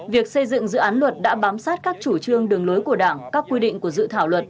việc xây dựng dự án luật đã bám sát các chủ trương đường lối của đảng các quy định của dự thảo luật